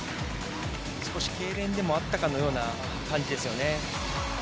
少しけいれんでもあったかのような感じですよね。